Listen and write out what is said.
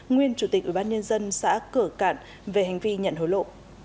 nguyên chủ tịch ủy ban nhân dân xã cửa cạn về hành vi nhận hối lộ